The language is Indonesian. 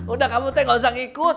udah kamu teh gak usah ngikut